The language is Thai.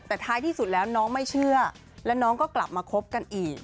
แต่ท้ายที่สุดแล้วน้องไม่เชื่อแล้วน้องก็กลับมาคบกันอีก